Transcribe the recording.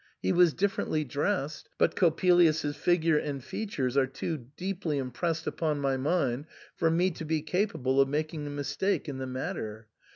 He was differently dressed ; but Coppelius's figure and features are too deeply impressed upon my mind for me to be capable of making a mistake in the matter.